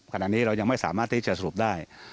ขณะนี้เรายังไม่สามารถที่จะสรุปได้